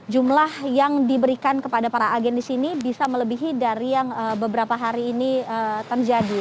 jumlah yang diberikan kepada para agen di sini bisa melebihi dari yang beberapa hari ini terjadi